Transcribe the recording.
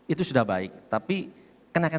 itu sudah baik tapi kenakan